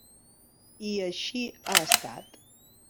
I així ha estat.